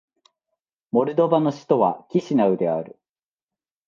モルドバの首都はキシナウである